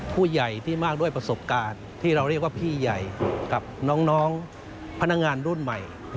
ผู้ใหญ่ที่มากด้วยประสบการณ์ที่เราเรียกว่าพี่ใหญ่กับน้องพนักงานรุ่นใหม่